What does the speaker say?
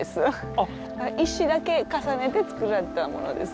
石だけ重ねて作られたものです。